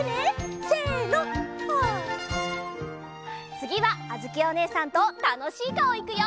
つぎはあづきおねえさんとたのしいかおいくよ！